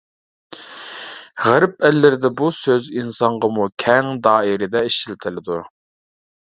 غەرب ئەللىرىدە بۇ سۆز ئىنسانغىمۇ كەڭ دائىرىدە ئىشلىتىلىدۇ.